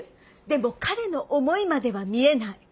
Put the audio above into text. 「でも彼の思いまでは見えない」